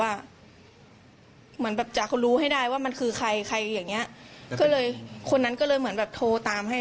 อันนั้นดิวค่ะโมโหนะฮะ